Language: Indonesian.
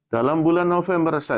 dalam bulan november saja